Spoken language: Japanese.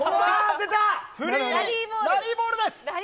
ラリーボールです。